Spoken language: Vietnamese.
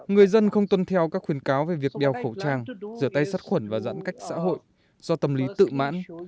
người dân không tuân theo các khuyến cáo về việc đeo khẩu trang rửa tay sát khuẩn và giãn cách xã hội do tâm lý tự mãn